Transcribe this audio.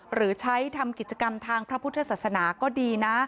หรือใช้ทำกิจกรรมทางพระพุทธศาสนาก็ดีนะ